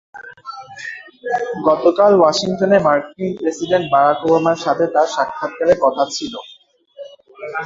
গতকাল ওয়াশিংটনে মার্কিন প্রেসিডেন্ট বারাক ওবামার সঙ্গে সাক্ষাতের কথা ছিল তাঁর।